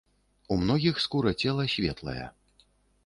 У многіх скура цела светлая.